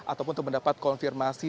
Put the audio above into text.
ataupun untuk mendapat konfirmasi